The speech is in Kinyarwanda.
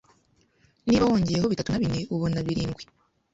Niba wongeyeho bitatu na bine, ubona birindwi.